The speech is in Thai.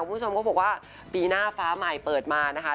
คุณผู้ชมก็บอกว่าปีหน้าฟ้าใหม่เปิดมานะคะ